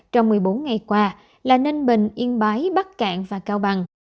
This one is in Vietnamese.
trong một mươi bốn ngày qua là ninh bình yên bái bắc cạn và cao bằng